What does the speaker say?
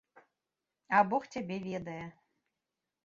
А бог цябе ведае.